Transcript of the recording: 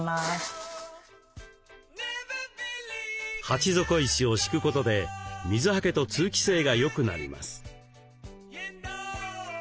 鉢底石を敷くことで水はけと通気性がよくなります。